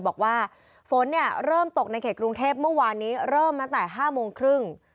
บอกว่าฝนเนี่ยเริ่มตกในเขตกรุงเทพเมื่อวานนี้เริ่มตั้งแต่๕โมงครึ่ง